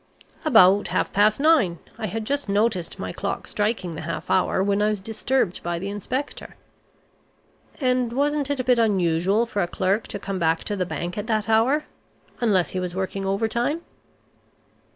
"About half past nine. I had just noticed my clock striking the half hour, when I was disturbed by the inspector " "And wasn't it a bit unusual for a clerk to come back to the bank at that hour unless he was working overtime?"